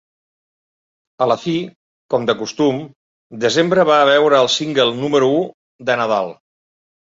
A la fi, com de costum, desembre va veure el single número u de Nadal.